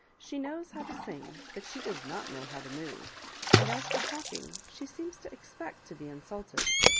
She knows how to sing, but she does not know how to move; and as for talking, she seems to expect to be insulted.